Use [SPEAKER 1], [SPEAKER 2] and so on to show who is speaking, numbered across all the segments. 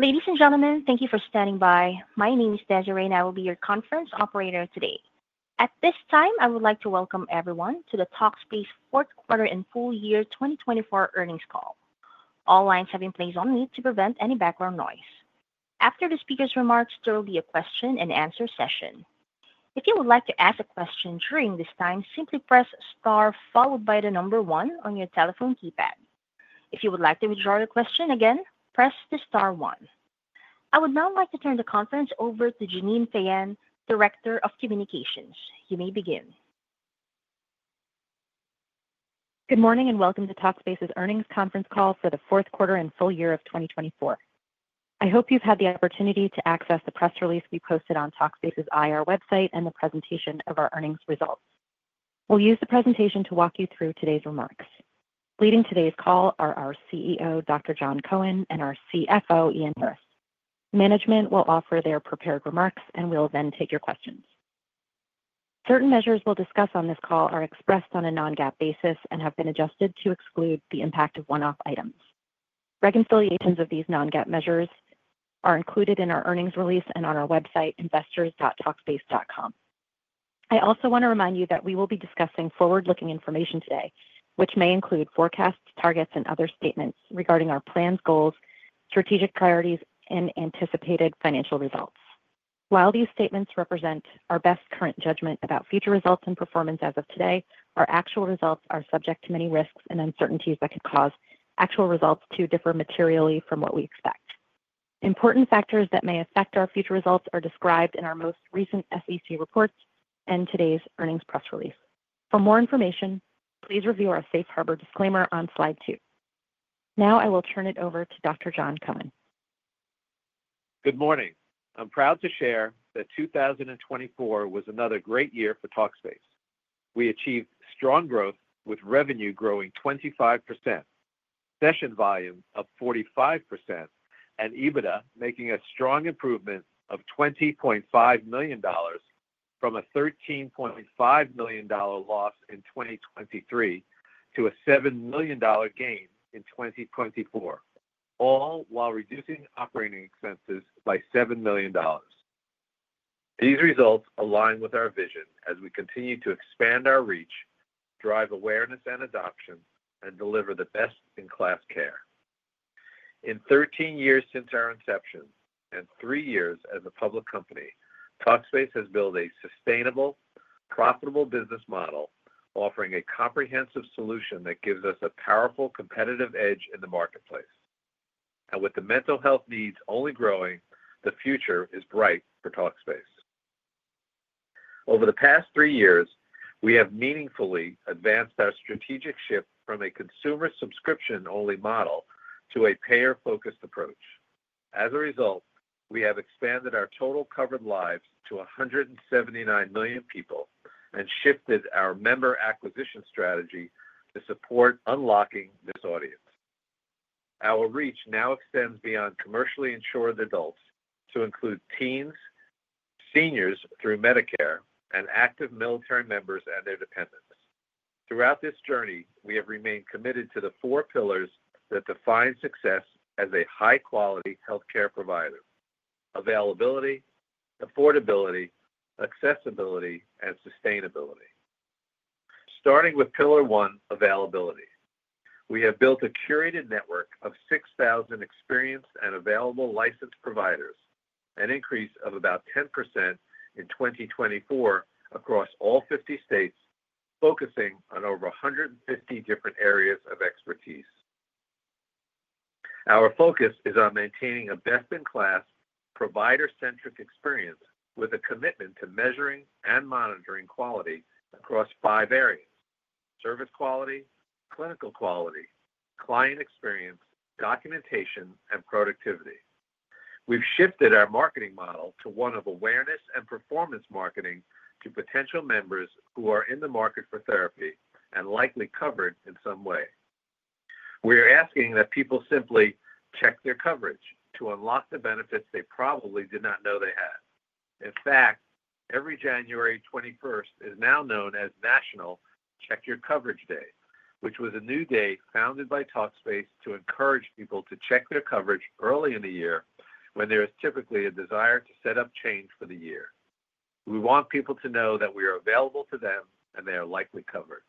[SPEAKER 1] Ladies and gentlemen, thank you for standing by. My name is Desiree, and I will be your conference operator today. At this time, I would like to welcome everyone to the Talkspace Fourth Quarter and Full Year 2024 Earnings Call. All lines have been placed on mute to prevent any background noise. After the speaker's remarks, there will be a question-and-answer session. If you would like to ask a question during this time, simply press star followed by the number one on your telephone keypad. If you would like to withdraw your question again, press the star one. I would now like to turn the conference over to Jeannine Feyen, Director of Communications. You may begin.
[SPEAKER 2] Good morning and welcome to Talkspace's Earnings Conference Call for the Fourth Quarter and Full Year of 2024. I hope you've had the opportunity to access the press release we posted on Talkspace's IR website and the presentation of our earnings results. We'll use the presentation to walk you through today's remarks. Leading today's call are our CEO, Dr. Jon Cohen, and our CFO, Ian Harris. Management will offer their prepared remarks, and we'll then take your questions. Certain measures we'll discuss on this call are expressed on a non-GAAP basis and have been adjusted to exclude the impact of one-off items. Reconciliations of these non-GAAP measures are included in our earnings release and on our website, investors.talkspace.com. I also want to remind you that we will be discussing forward-looking information today, which may include forecasts, targets, and other statements regarding our plans, goals, strategic priorities, and anticipated financial results. While these statements represent our best current judgment about future results and performance as of today, our actual results are subject to many risks and uncertainties that could cause actual results to differ materially from what we expect. Important factors that may affect our future results are described in our most recent SEC reports and today's earnings press release. For more information, please review our Safe Harbor disclaimer on slide two. Now I will turn it over to Dr. Jon Cohen.
[SPEAKER 3] Good morning. I'm proud to share that 2024 was another great year for Talkspace. We achieved strong growth with revenue growing 25%, session volume of 45%, and EBITDA making a strong improvement of $20.5 million from a $13.5 million loss in 2023 to a $7 million gain in 2024, all while reducing operating expenses by $7 million. These results align with our vision as we continue to expand our reach, drive awareness and adoption, and deliver the best-in-class care. In 13 years since our inception and three years as a public company, Talkspace has built a sustainable, profitable business model, offering a comprehensive solution that gives us a powerful competitive edge in the marketplace, and with the mental health needs only growing, the future is bright for Talkspace. Over the past three years, we have meaningfully advanced our strategic shift from a consumer subscription-only model to a payer-focused approach. As a result, we have expanded our total covered lives to 179 million people and shifted our member acquisition strategy to support unlocking this audience. Our reach now extends beyond commercially insured adults to include teens, seniors through Medicare, and active military members and their dependents. Throughout this journey, we have remained committed to the four pillars that define success as a high-quality healthcare provider: availability, affordability, accessibility, and sustainability. Starting with Pillar One, availability. We have built a curated network of 6,000 experienced and available licensed providers, an increase of about 10% in 2024 across all 50 states, focusing on over 150 different areas of expertise. Our focus is on maintaining a best-in-class, provider-centric experience with a commitment to measuring and monitoring quality across five areas: service quality, clinical quality, client experience, documentation, and productivity. We've shifted our marketing model to one of awareness and performance marketing to potential members who are in the market for therapy and likely covered in some way. We are asking that people simply check their coverage to unlock the benefits they probably did not know they had. In fact, every January 21st is now known as National Check Your Coverage Day, which was a new day founded by Talkspace to encourage people to check their coverage early in the year when there is typically a desire to set up change for the year. We want people to know that we are available to them and they are likely covered.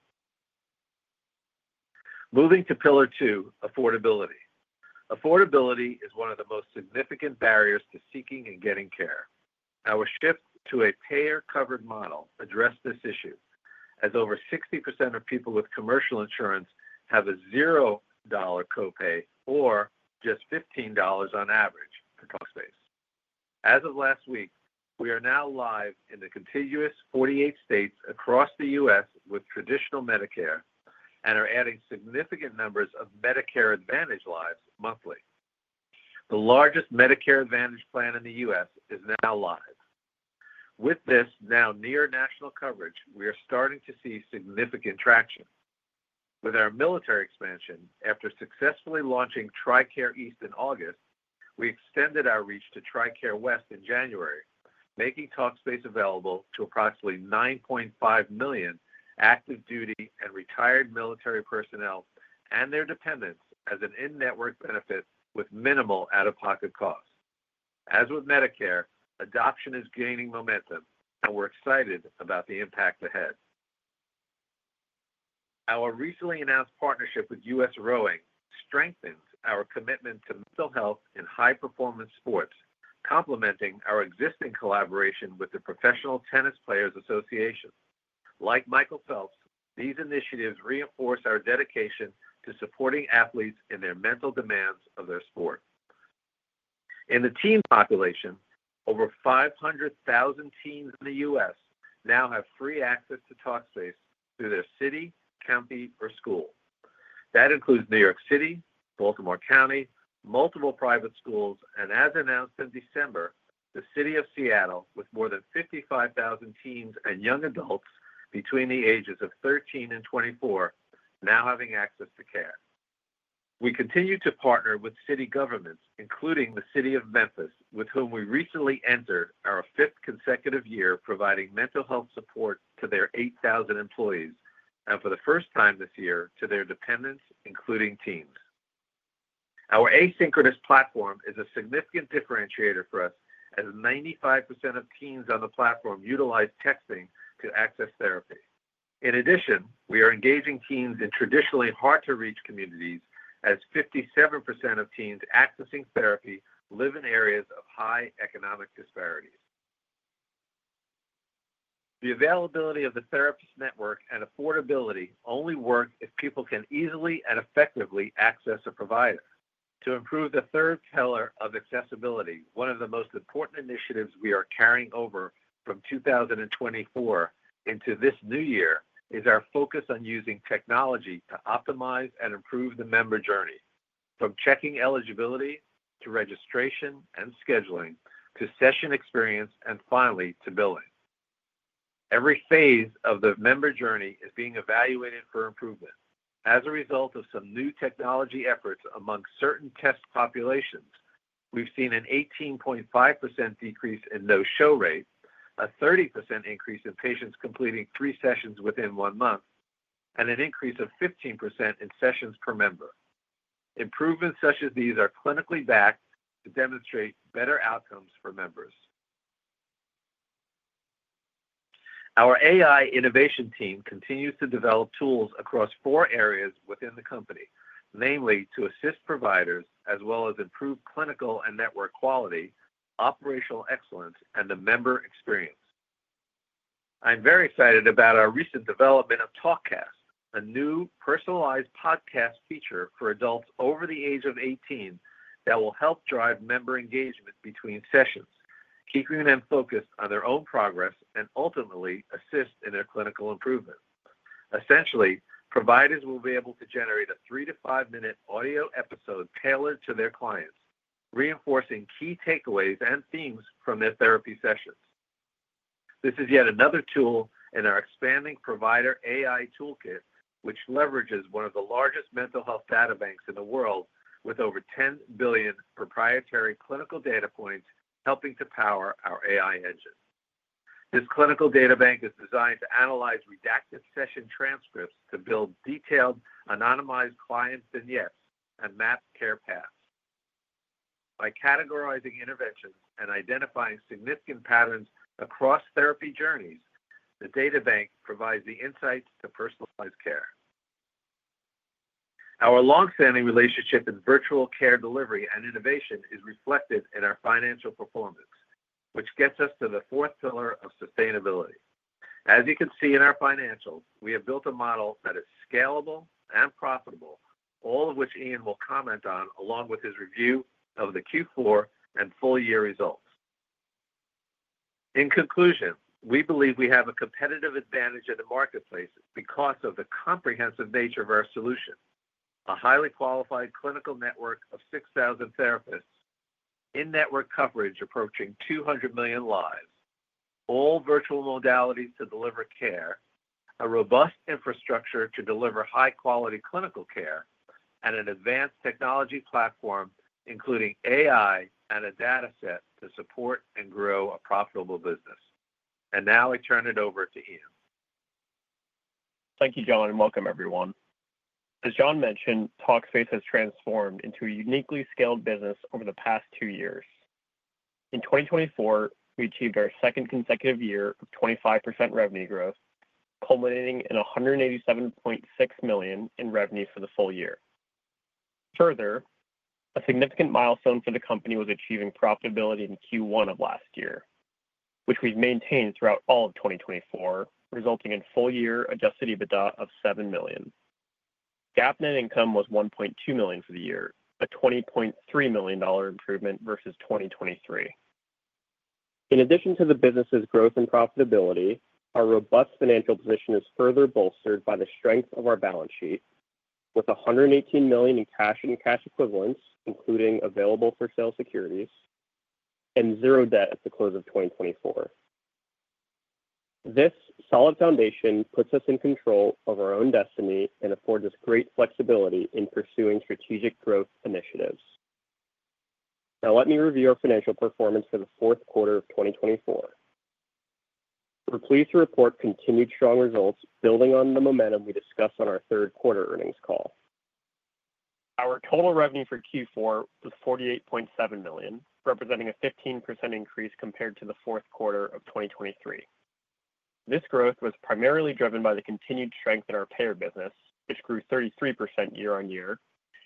[SPEAKER 3] Moving to Pillar Two, affordability. Affordability is one of the most significant barriers to seeking and getting care. Our shift to a payer-covered model addressed this issue, as over 60% of people with commercial insurance have a $0 copay or just $15 on average for Talkspace. As of last week, we are now live in the contiguous 48 states across the U.S. with traditional Medicare and are adding significant numbers of Medicare Advantage lives monthly. The largest Medicare Advantage plan in the U.S. is now live. With this now near-national coverage, we are starting to see significant traction. With our military expansion, after successfully launching Tricare East in August, we extended our reach to Tricare West in January, making Talkspace available to approximately 9.5 million active duty and retired military personnel and their dependents as an in-network benefit with minimal out-of-pocket costs. As with Medicare, adoption is gaining momentum, and we're excited about the impact ahead. Our recently announced partnership with U.S. Rowing strengthens our commitment to mental health and high-performance sports, complementing our existing collaboration with the Professional Tennis Players Association. Like Michael Phelps, these initiatives reinforce our dedication to supporting athletes in their mental demands of their sport. In the teen population, over 500,000 teens in the U.S. now have free access to Talkspace through their city, county, or school. That includes New York City, Baltimore County, multiple private schools, and, as announced in December, the city of Seattle, with more than 55,000 teens and young adults between the ages of 13 and 24 now having access to care. We continue to partner with city governments, including the city of Memphis, with whom we recently entered our fifth consecutive year providing mental health support to their 8,000 employees, and for the first time this year, to their dependents, including teens. Our asynchronous platform is a significant differentiator for us, as 95% of teens on the platform utilize texting to access therapy. In addition, we are engaging teens in traditionally hard-to-reach communities, as 57% of teens accessing therapy live in areas of high economic disparities. The availability of the therapist network and affordability only work if people can easily and effectively access a provider. To improve the third pillar of accessibility, one of the most important initiatives we are carrying over from 2024 into this new year is our focus on using technology to optimize and improve the member journey, from checking eligibility to registration and scheduling to session experience and finally to billing. Every phase of the member journey is being evaluated for improvement. As a result of some new technology efforts among certain test populations, we've seen an 18.5% decrease in no-show rate, a 30% increase in patients completing three sessions within one month, and an increase of 15% in sessions per member. Improvements such as these are clinically backed to demonstrate better outcomes for members. Our AI innovation team continues to develop tools across four areas within the company, namely to assist providers as well as improve clinical and network quality, operational excellence, and the member experience. I'm very excited about our recent development of TalkCast, a new personalized podcast feature for adults over the age of 18 that will help drive member engagement between sessions, keeping them focused on their own progress, and ultimately assist in their clinical improvement. Essentially, providers will be able to generate a three to five minute audio episode tailored to their clients, reinforcing key takeaways and themes from their therapy sessions. This is yet another tool in our expanding provider AI toolkit, which leverages one of the largest mental health data banks in the world, with over 10 billion proprietary clinical data points helping to power our AI engine. This clinical data bank is designed to analyze redacted session transcripts to build detailed, anonymized client vignettes and map care paths. By categorizing interventions and identifying significant patterns across therapy journeys, the data bank provides the insights to personalized care. Our longstanding relationship in virtual care delivery and innovation is reflected in our financial performance, which gets us to the fourth pillar of sustainability. As you can see in our financials, we have built a model that is scalable and profitable, all of which Ian will comment on along with his review of the Q4 and full-year results. In conclusion, we believe we have a competitive advantage in the marketplace because of the comprehensive nature of our solution: a highly qualified clinical network of 6,000 therapists, in-network coverage approaching 200 million lives, all virtual modalities to deliver care, a robust infrastructure to deliver high-quality clinical care, and an advanced technology platform, including AI and a dataset to support and grow a profitable business. And now I turn it over to Ian.
[SPEAKER 4] Thank you, Jon, and welcome, everyone. As Jon mentioned, Talkspace has transformed into a uniquely scaled business over the past two years. In 2024, we achieved our second consecutive year of 25% revenue growth, culminating in $187.6 million in revenue for the full year. Further, a significant milestone for the company was achieving profitability in Q1 of last year, which we've maintained throughout all of 2024, resulting in full-year adjusted EBITDA of $7 million. GAAP net income was $1.2 million for the year, a $20.3 million improvement versus 2023. In addition to the business's growth and profitability, our robust financial position is further bolstered by the strength of our balance sheet, with $118 million in cash and cash equivalents, including available for sale securities, and zero debt at the close of 2024. This solid foundation puts us in control of our own destiny and affords us great flexibility in pursuing strategic growth initiatives. Now, let me review our financial performance for the fourth quarter of 2024. We're pleased to report continued strong results, building on the momentum we discussed on our third quarter earnings call. Our total revenue for Q4 was $48.7 million, representing a 15% increase compared to the fourth quarter of 2023. This growth was primarily driven by the continued strength in our payer business, which grew 33% year-on-year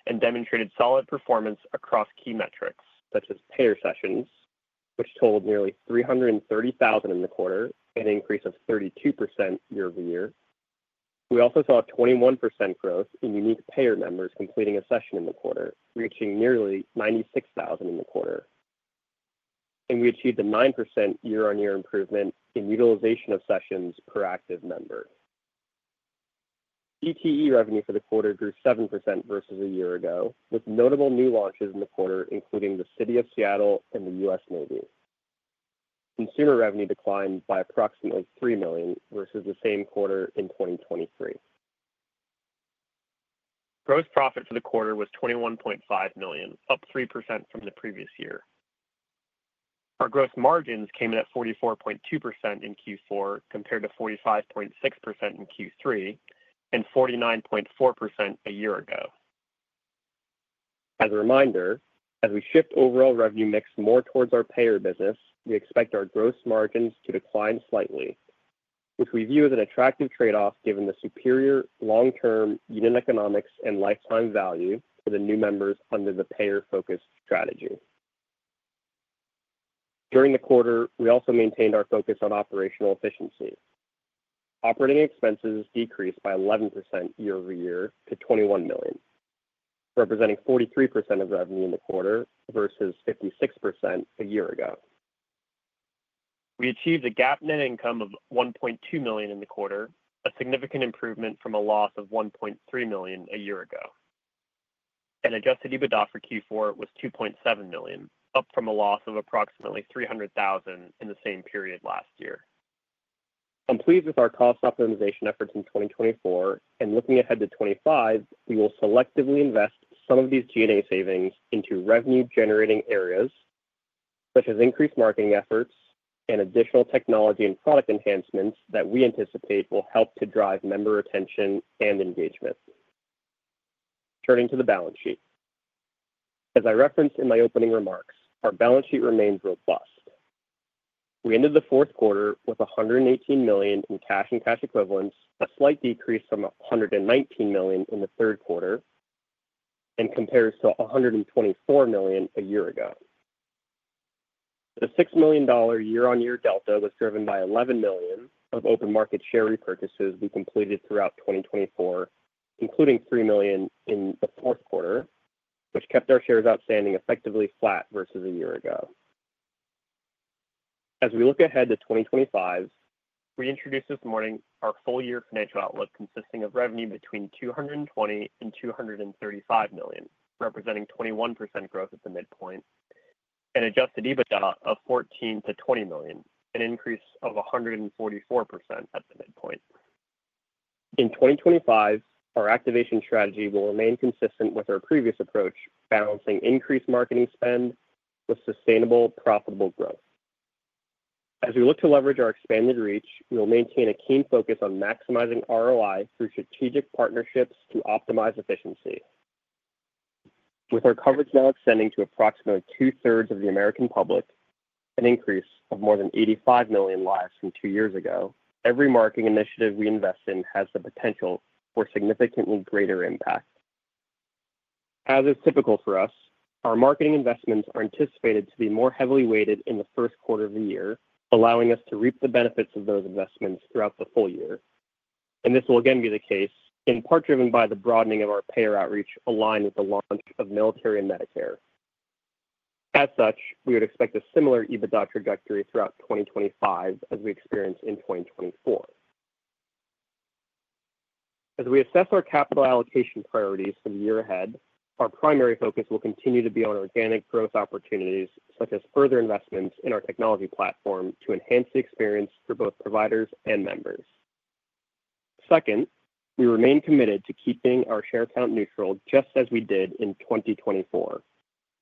[SPEAKER 4] and demonstrated solid performance across key metrics such as payer sessions, which totaled nearly 330,000 in the quarter, an increase of 32% year-over-year. We also saw a 21% growth in unique payer members completing a session in the quarter, reaching nearly 96,000 in the quarter. We achieved a nine percent year-on-year improvement in utilization of sessions per active member. ETE revenue for the quarter grew seven percent versus a year ago, with notable new launches in the quarter, including the city of Seattle and the U.S. Navy. Consumer revenue declined by approximately $3 million versus the same quarter in 2023. Gross profit for the quarter was $21.5 million, up 3% from the previous year. Our gross margins came in at 44.2% in Q4 compared to 45.6% in Q3 and 49.4% a year ago. As a reminder, as we shift overall revenue mix more towards our payer business, we expect our gross margins to decline slightly, which we view as an attractive trade-off given the superior long-term unit economics and lifetime value for the new members under the payer-focused strategy. During the quarter, we also maintained our focus on operational efficiency. Operating expenses decreased by 11% year-over-year to $21 million, representing 43% of revenue in the quarter versus 56% a year ago. We achieved a GAAP net income of $1.2 million in the quarter, a significant improvement from a loss of $1.3 million a year ago. And adjusted EBITDA for Q4 was $2.7 million, up from a loss of approximately $300,000 in the same period last year. I'm pleased with our cost optimization efforts in 2024. And looking ahead to 2025, we will selectively invest some of these G&A savings into revenue-generating areas such as increased marketing efforts and additional technology and product enhancements that we anticipate will help to drive member attention and engagement. Turning to the balance sheet. As I referenced in my opening remarks, our balance sheet remains robust. We ended the fourth quarter with $118 million in cash and cash equivalents, a slight decrease from $119 million in the third quarter, and compares to $124 million a year ago. The $6 million year-on-year delta was driven by $11 million of open market share repurchases we completed throughout 2024, including $3 million in the fourth quarter, which kept our shares outstanding effectively flat versus a year ago. As we look ahead to 2025, we introduced this morning our full-year financial outlook consisting of revenue between $220 million-$235 million, representing 21% growth at the midpoint, and Adjusted EBITDA of $14 million-$20 million, an increase of 144% at the midpoint. In 2025, our activation strategy will remain consistent with our previous approach, balancing increased marketing spend with sustainable, profitable growth. As we look to leverage our expanded reach, we will maintain a keen focus on maximizing ROI through strategic partnerships to optimize efficiency. With our coverage now extending to approximately two-thirds of the American public, an increase of more than 85 million lives from two years ago, every marketing initiative we invest in has the potential for significantly greater impact. As is typical for us, our marketing investments are anticipated to be more heavily weighted in the first quarter of the year, allowing us to reap the benefits of those investments throughout the full year, and this will again be the case, in part driven by the broadening of our payer outreach aligned with the launch of military and Medicare. As such, we would expect a similar EBITDA trajectory throughout 2025 as we experienced in 2024. As we assess our capital allocation priorities for the year ahead, our primary focus will continue to be on organic growth opportunities, such as further investments in our technology platform to enhance the experience for both providers and members. Second, we remain committed to keeping our share count neutral just as we did in 2024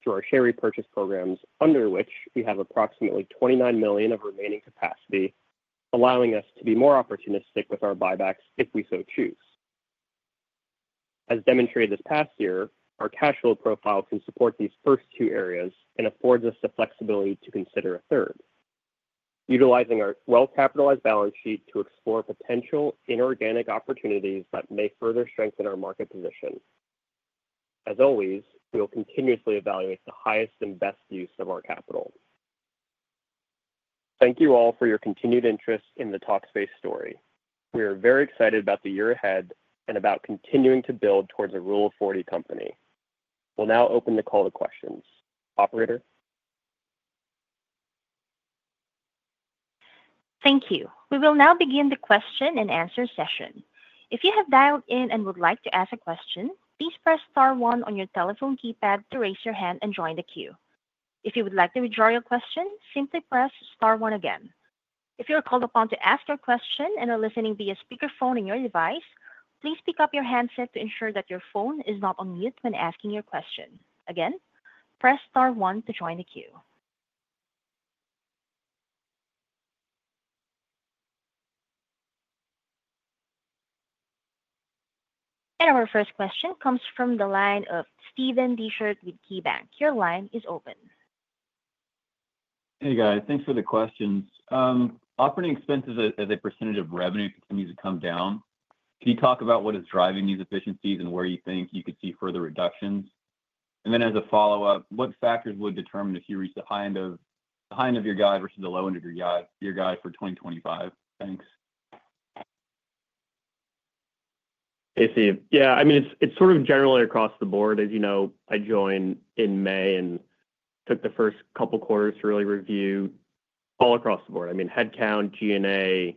[SPEAKER 4] through our share repurchase programs, under which we have approximately 29 million of remaining capacity, allowing us to be more opportunistic with our buybacks if we so choose. As demonstrated this past year, our cash flow profile can support these first two areas and affords us the flexibility to consider a third, utilizing our well-capitalized balance sheet to explore potential inorganic opportunities that may further strengthen our market position. As always, we will continuously evaluate the highest and best use of our capital. Thank you all for your continued interest in the Talkspace story. We are very excited about the year ahead and about continuing to build towards a Rule of 40 company. We'll now open the call to questions. Operator.
[SPEAKER 1] Thank you. We will now begin the question and answer session. If you have dialed in and would like to ask a question, please press star one on your telephone keypad to raise your hand and join the queue. If you would like to withdraw your question, simply press star one again. If you are called upon to ask your question and are listening via speakerphone in your device, please pick up your handset to ensure that your phone is not on mute when asking your question. Again, press star one to join the queue. And our first question comes from the line of Steve Dechert with KeyBanc. Your line is open.
[SPEAKER 5] Hey, guys. Thanks for the questions. Operating expenses, as a percentage of revenue, continue to come down. Can you talk about what is driving these efficiencies and where you think you could see further reductions? And then as a follow-up, what factors would determine if you reach the high end of your guide versus the low end of your guide for 2025? Thanks.
[SPEAKER 4] Hey, Steve. Yeah, I mean, it's sort of generally across the board. As you know, I joined in May and took the first couple of quarters to really review all across the board. I mean, headcount, G&A,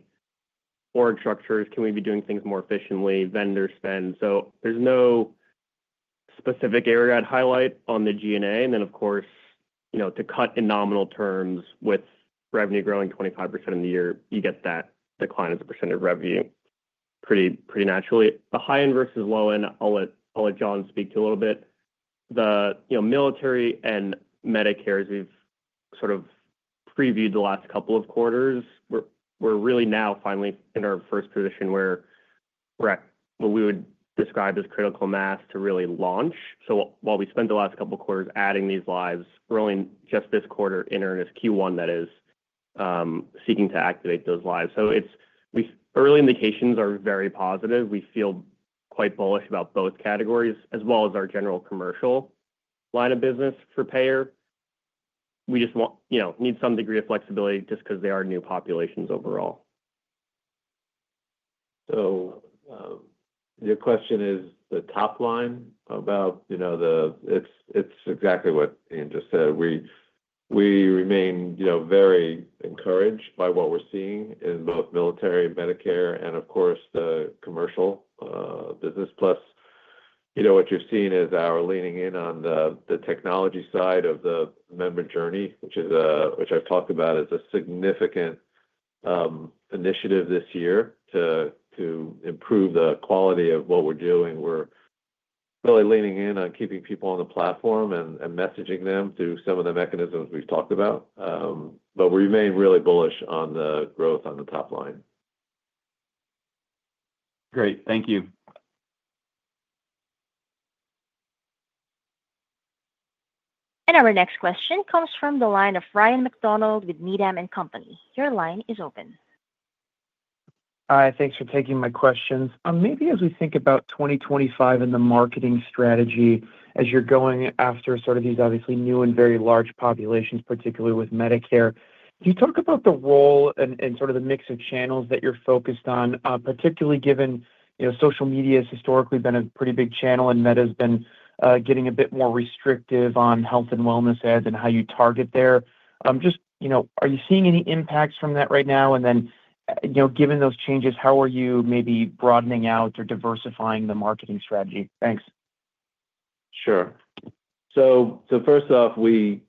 [SPEAKER 4] org structures, can we be doing things more efficiently, vendor spend? So there's no specific area I'd highlight on the G&A. And then, of course, to cut in nominal terms with revenue growing 25% in the year, you get that decline as a % of revenue pretty naturally. The high end versus low end, I'll let Jon speak to a little bit. The military and Medicare, as we've sort of previewed the last couple of quarters, we're really now finally in our first position where we're at what we would describe as critical mass to really launch. So while we spent the last couple of quarters adding these lives, we're only just this quarter entering this Q1 that is seeking to activate those lives. So early indications are very positive. We feel quite bullish about both categories as well as our general commercial line of business for payer. We just need some degree of flexibility just because they are new populations overall.
[SPEAKER 3] So your question is the top line about the, it's exactly what Ian just said. We remain very encouraged by what we're seeing in both military and Medicare and, of course, the commercial business. Plus, what you've seen is our leaning in on the technology side of the member journey, which I've talked about as a significant initiative this year to improve the quality of what we're doing. We're really leaning in on keeping people on the platform and messaging them through some of the mechanisms we've talked about. But we remain really bullish on the growth on the top line.
[SPEAKER 5] Great. Thank you.
[SPEAKER 1] Our next question comes from the line of Ryan MacDonald with Needham & Company. Your line is open.
[SPEAKER 6] Hi. Thanks for taking my questions. Maybe as we think about 2025 and the marketing strategy as you're going after sort of these obviously new and very large populations, particularly with Medicare, can you talk about the role and sort of the mix of channels that you're focused on, particularly given social media has historically been a pretty big channel and Meta has been getting a bit more restrictive on health and wellness ads and how you target there? Just are you seeing any impacts from that right now? And then given those changes, how are you maybe broadening out or diversifying the marketing strategy? Thanks.
[SPEAKER 3] Sure. So first off, we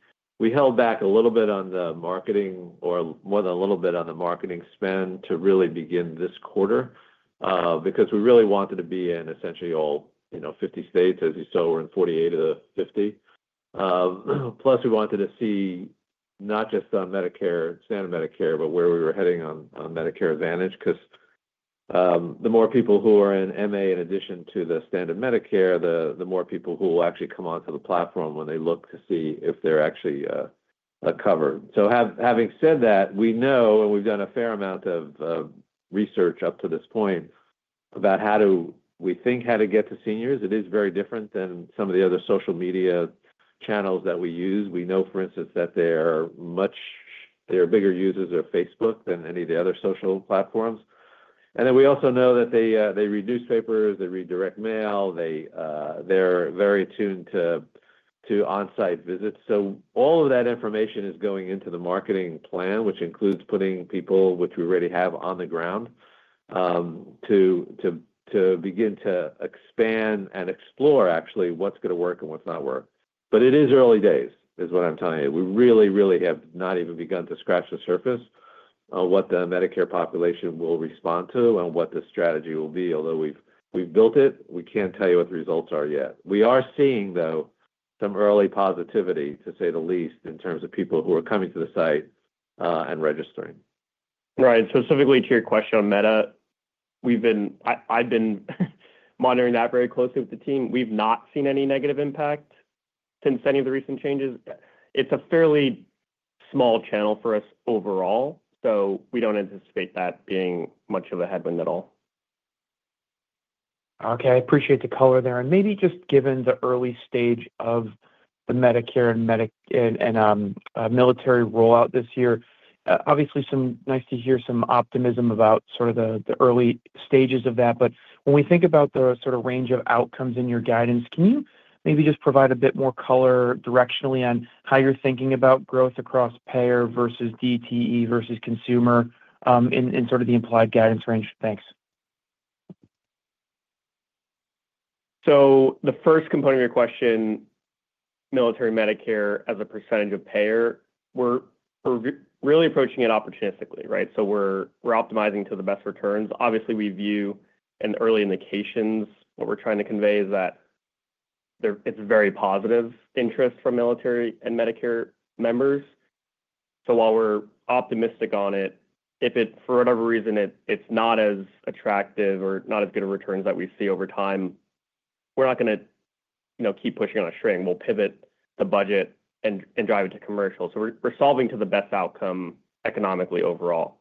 [SPEAKER 3] held back a little bit on the marketing or more than a little bit on the marketing spend to really begin this quarter because we really wanted to be in essentially all 50 states, as you saw, we're in 48 of the 50. Plus, we wanted to see not just on standard Medicare, but where we were heading on Medicare Advantage because the more people who are in MA in addition to the standard Medicare, the more people who will actually come onto the platform when they look to see if they're actually covered. So having said that, we know, and we've done a fair amount of research up to this point about how do we think how to get to seniors. It is very different than some of the other social media channels that we use. We know, for instance, that they are bigger users of Facebook than any of the other social platforms, and then we also know that they read newspapers, they read direct mail, they're very attuned to on-site visits, so all of that information is going into the marketing plan, which includes putting people, which we already have on the ground, to begin to expand and explore actually what's going to work and what's not work, but it is early days, is what I'm telling you. We really, really have not even begun to scratch the surface on what the Medicare population will respond to and what the strategy will be. Although we've built it, we can't tell you what the results are yet. We are seeing, though, some early positivity, to say the least, in terms of people who are coming to the site and registering.
[SPEAKER 4] Right. Specifically to your question on Meta, we've been, I've been monitoring that very closely with the team. We've not seen any negative impact since any of the recent changes. It's a fairly small channel for us overall, so we don't anticipate that being much of a headwind at all.
[SPEAKER 6] Okay. I appreciate the color there. And maybe just given the early stage of the Medicare and military rollout this year, obviously, nice to hear some optimism about sort of the early stages of that. But when we think about the sort of range of outcomes in your guidance, can you maybe just provide a bit more color directionally on how you're thinking about growth across payer versus DTE versus consumer in sort of the implied guidance range? Thanks.
[SPEAKER 4] So the first component of your question, military and Medicare as a percentage of payer, we're really approaching it opportunistically, right? So we're optimizing to the best returns. Obviously, we view an early indication. What we're trying to convey is that it's very positive interest from military and Medicare members. So while we're optimistic on it, if for whatever reason it's not as attractive or not as good of returns that we see over time, we're not going to keep pushing on a string. We'll pivot the budget and drive it to commercial. So we're solving to the best outcome economically overall.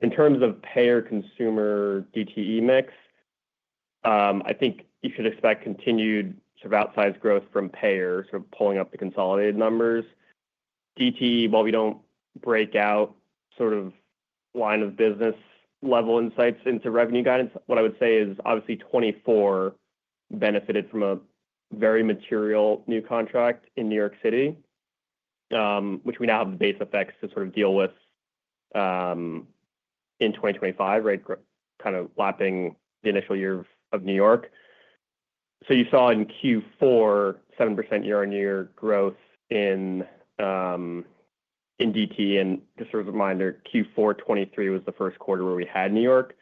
[SPEAKER 4] In terms of payer-consumer DTE mix, I think you should expect continued sort of outsized growth from payer, sort of pulling up the consolidated numbers. DTE, while we don't break out sort of line-of-business level insights into revenue guidance, what I would say is obviously 2024 benefited from a very material new contract in New York City, which we now have the base effects to sort of deal with in 2025, right, kind of lapping the initial year of New York. So you saw in Q4 seven percent year-on-year growth in DTE. And just as a reminder, Q4 2023 was the first quarter where we had New York.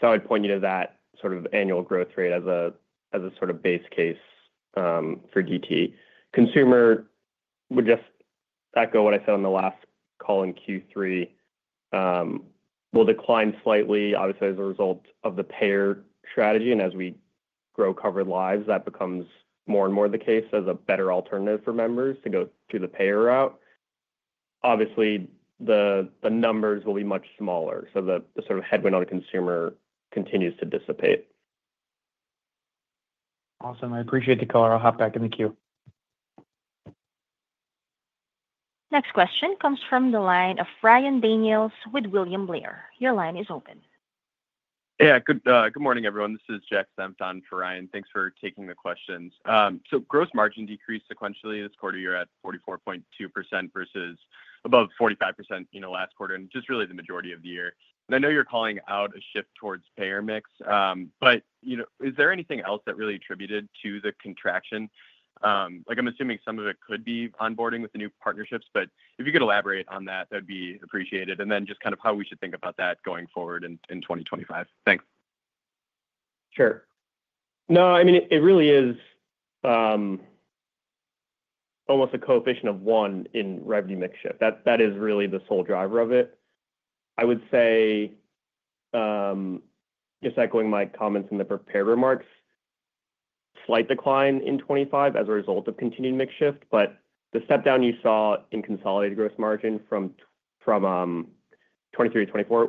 [SPEAKER 4] So I would point you to that sort of annual growth rate as a sort of base case for DTE. Consumer would just echo what I said on the last call in Q3. We'll decline slightly, obviously, as a result of the payer strategy. And as we grow covered lives, that becomes more and more the case as a better alternative for members to go through the payer route. Obviously, the numbers will be much smaller. So the sort of headwind on the consumer continues to dissipate.
[SPEAKER 6] Awesome. I appreciate the call. I'll hop back in the queue.
[SPEAKER 1] Next question comes from the line of Ryan Daniels with William Blair. Your line is open.
[SPEAKER 7] Yeah. Good morning, everyone. This is Jack Senft for Ryan. Thanks for taking the questions. So gross margin decreased sequentially this quarter year at 44.2% versus above 45% last quarter, and just really the majority of the year. And I know you're calling out a shift towards payer mix, but is there anything else that really attributed to the contraction? I'm assuming some of it could be onboarding with the new partnerships, but if you could elaborate on that, that'd be appreciated. And then just kind of how we should think about that going forward in 2025. Thanks.
[SPEAKER 4] Sure. No, I mean, it really is almost a coefficient of one in revenue mix shift. That is really the sole driver of it. I would say, just echoing my comments in the prepared remarks, slight decline in 2025 as a result of continued mix shift, but the step down you saw in consolidated gross margin from 2023-2024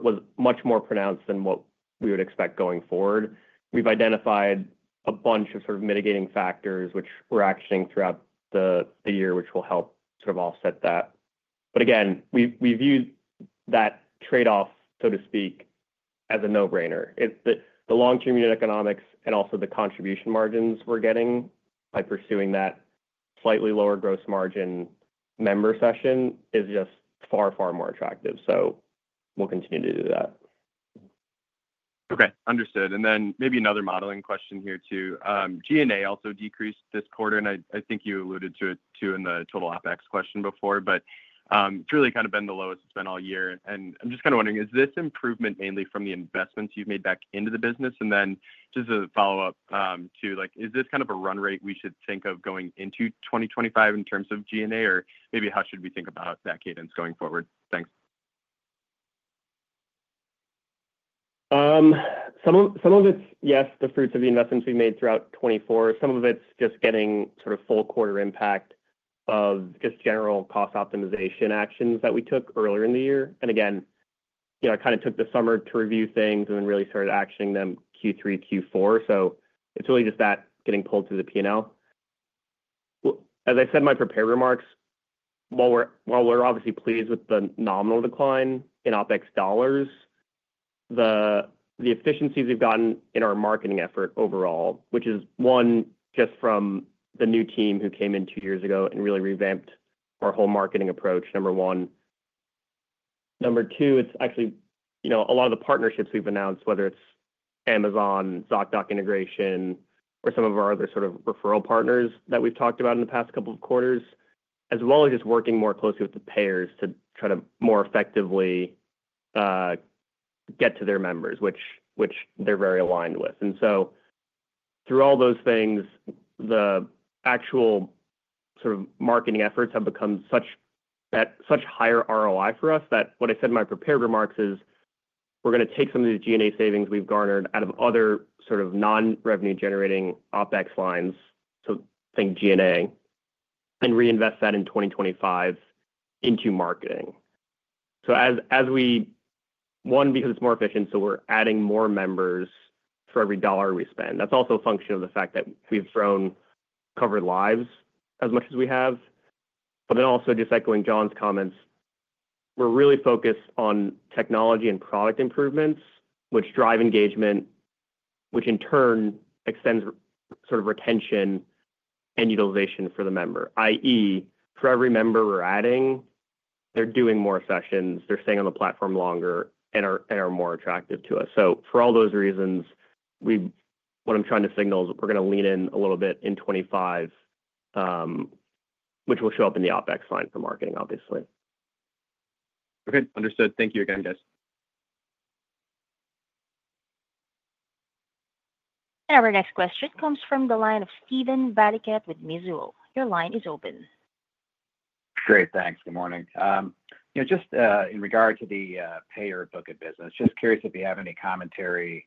[SPEAKER 4] was much more pronounced than what we would expect going forward. We've identified a bunch of sort of mitigating factors which we're actioning throughout the year, which will help sort of offset that. But again, we view that trade-off, so to speak, as a no-brainer. The long-term unit economics and also the contribution margins we're getting by pursuing that slightly lower gross margin member session is just far, far more attractive. So we'll continue to do that.
[SPEAKER 7] Okay. Understood. And then maybe another modeling question here too. G&A also decreased this quarter, and I think you alluded to it too in the total OpEx question before, but it's really kind of been the lowest it's been all year. And I'm just kind of wondering, is this improvement mainly from the investments you've made back into the business? And then just a follow-up too, is this kind of a run rate we should think of going into 2025 in terms of G&A, or maybe how should we think about that cadence going forward? Thanks.
[SPEAKER 4] Some of it's, yes, the fruits of the investments we've made throughout 2024. Some of it's just getting sort of full quarter impact of just general cost optimization actions that we took earlier in the year. And again, I kind of took the summer to review things and then really started actioning them Q3, Q4. So it's really just that getting pulled through the P&L. As I said in my prepared remarks, while we're obviously pleased with the nominal decline in OpEx dollars, the efficiencies we've gotten in our marketing effort overall, which is one, just from the new team who came in two years ago and really revamped our whole marketing approach, number one. Number two, it's actually a lot of the partnerships we've announced, whether it's Amazon, Zocdoc integration, or some of our other sort of referral partners that we've talked about in the past couple of quarters, as well as just working more closely with the payers to try to more effectively get to their members, which they're very aligned with, and so through all those things, the actual sort of marketing efforts have become such higher ROI for us that what I said in my prepared remarks is we're going to take some of the G&A savings we've garnered out of other sort of non-revenue-generating OpEx lines, so think G&A, and reinvest that in 2025 into marketing. So as we, one, because it's more efficient, so we're adding more members for every dollar we spend. That's also a function of the fact that we've thrown covered lives as much as we have. But then also just echoing Jon's comments, we're really focused on technology and product improvements, which drive engagement, which in turn extends sort of retention and utilization for the member, i.e., for every member we're adding, they're doing more sessions, they're staying on the platform longer, and are more attractive to us. So for all those reasons, what I'm trying to signal is we're going to lean in a little bit in 2025, which will show up in the OpEx line for marketing, obviously.
[SPEAKER 7] Okay. Understood. Thank you again, guys.
[SPEAKER 1] And our next question comes from the line of Steven Valiquette with Mizuho. Your line is open.
[SPEAKER 8] Great. Thanks. Good morning. Just in regard to the payer book of business, just curious if you have any commentary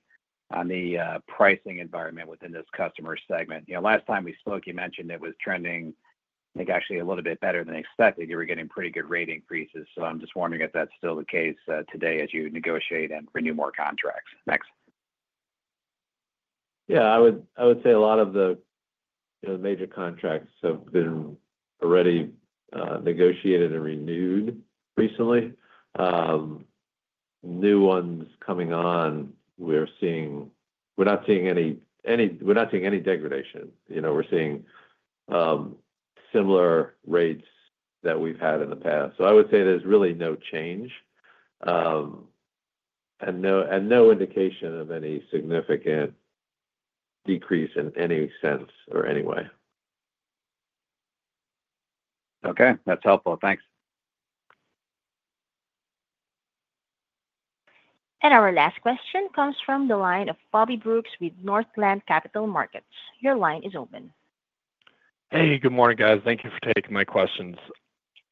[SPEAKER 8] on the pricing environment within this customer segment. Last time we spoke, you mentioned it was trending, I think, actually a little bit better than expected. You were getting pretty good rate increases. So I'm just wondering if that's still the case today as you negotiate and renew more contracts. Thanks.
[SPEAKER 3] Yeah. I would say a lot of the major contracts have been already negotiated and renewed recently. New ones coming on, we're not seeing any degradation. We're seeing similar rates that we've had in the past. So I would say there's really no change and no indication of any significant decrease in any sense or any way.
[SPEAKER 8] Okay. That's helpful. Thanks.
[SPEAKER 1] And our last question comes from the line of Bobby Brooks with Northland Capital Markets. Your line is open.
[SPEAKER 9] Hey, good morning, guys. Thank you for taking my questions.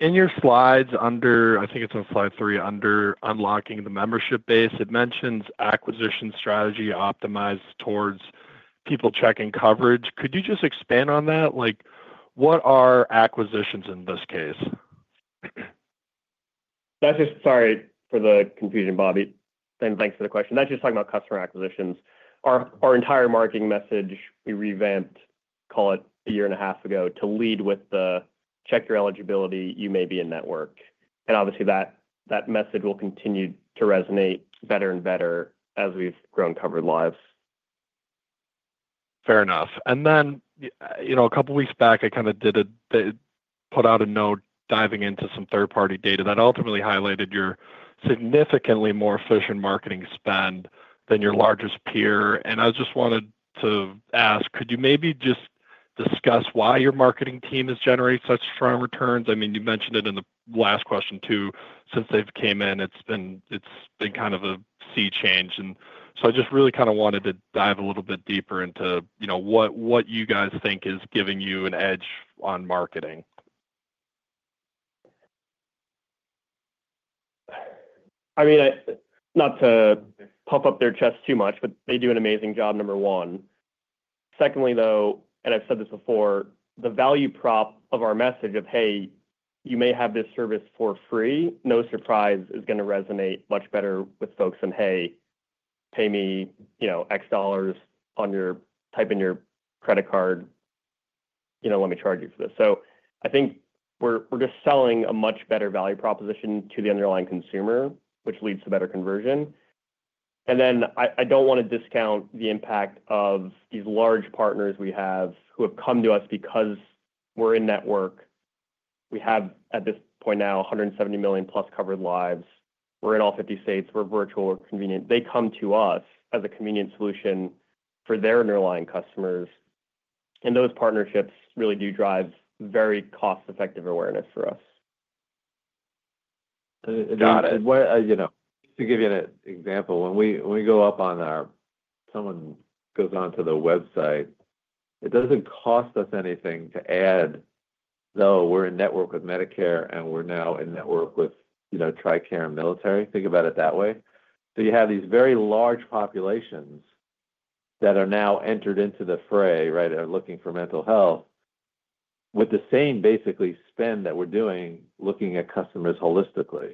[SPEAKER 9] In your slides under, I think it's on slide three, under unlocking the membership base, it mentions acquisition strategy optimized towards people checking coverage. Could you just expand on that? What are acquisitions in this case?
[SPEAKER 4] Sorry for the confusion, Bobby, and thanks for the question. That's just talking about customer acquisitions. Our entire marketing message, we revamped, call it a year and a half ago to lead with the check your eligibility, you may be in network. And obviously, that message will continue to resonate better and better as we've grown covered lives.
[SPEAKER 9] Fair enough. And then a couple of weeks back, I kind of put out a note diving into some third-party data that ultimately highlighted your significantly more efficient marketing spend than your largest peer. And I just wanted to ask, could you maybe just discuss why your marketing team has generated such strong returns? I mean, you mentioned it in the last question too. Since they've came in, it's been kind of a sea change. And so I just really kind of wanted to dive a little bit deeper into what you guys think is giving you an edge on marketing.
[SPEAKER 4] I mean, not to puff up their chest too much, but they do an amazing job, number one. Secondly, though, and I've said this before, the value prop of our message of, "Hey, you may have this service for free," no surprise, is going to resonate much better with folks than, "Hey, pay me X dollars or type in your credit card. Let me charge you for this." So I think we're just selling a much better value proposition to the underlying consumer, which leads to better conversion. And then I don't want to discount the impact of these large partners we have who have come to us because we're in network. We have, at this point now, 170 million plus covered lives. We're in all 50 states. We're virtual. We're convenient. They come to us as a convenient solution for their underlying customers. Those partnerships really do drive very cost-effective awareness for us.
[SPEAKER 9] Got it.
[SPEAKER 3] Just to give you an example, when someone goes onto the website, it doesn't cost us anything to add, though we're in network with Medicare and we're now in network with Tricare and Military. Think about it that way. So you have these very large populations that are now entered into the fray, right, that are looking for mental health with the same basically spend that we're doing looking at customers holistically.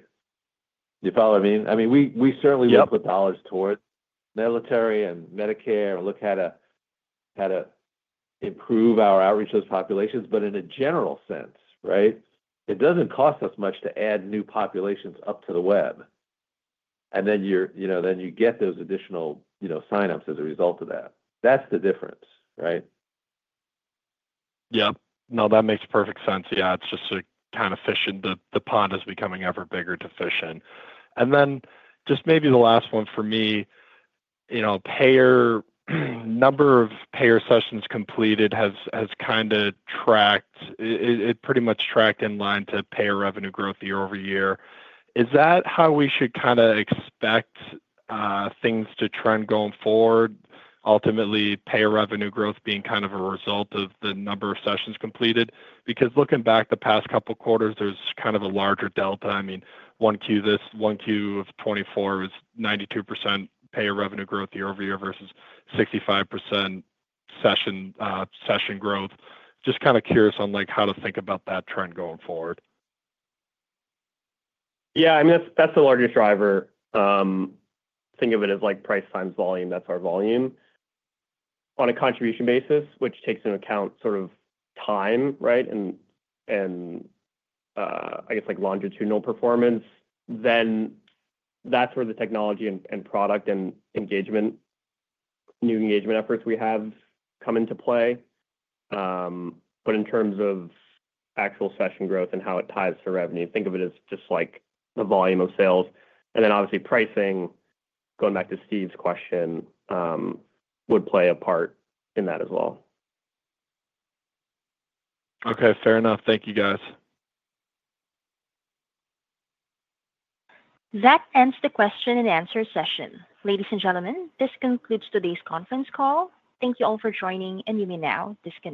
[SPEAKER 3] Do you follow what I mean? I mean, we certainly look with dollars towards military and Medicare and look how to improve our outreach to those populations. But in a general sense, right, it doesn't cost us much to add new populations up to the web. And then you get those additional sign-ups as a result of that. That's the difference, right?
[SPEAKER 9] Yeah. No, that makes perfect sense. Yeah. It's just a kind of fish in the pond is becoming ever bigger to fish in. And then just maybe the last one for me, number of payer sessions completed has kind of tracked it pretty much in line with payer revenue growth year over year. Is that how we should kind of expect things to trend going forward, ultimately payer revenue growth being kind of a result of the number of sessions completed? Because looking back the past couple of quarters, there's kind of a larger delta. I mean, 1Q of 2024 was 92% payer revenue growth year over year versus 65% session growth. Just kind of curious on how to think about that trend going forward.
[SPEAKER 4] Yeah. I mean, that's the largest driver. Think of it as price times volume. That's our volume. On a contribution basis, which takes into account sort of time, right, and I guess longitudinal performance, then that's where the technology and product and new engagement efforts we have come into play. But in terms of actual session growth and how it ties to revenue, think of it as just the volume of sales. And then obviously pricing, going back to Steve's question, would play a part in that as well.
[SPEAKER 9] Okay. Fair enough. Thank you, guys.
[SPEAKER 1] That ends the question and answer session. Ladies and gentlemen, this concludes today's conference call. Thank you all for joining, and you may now disconnect.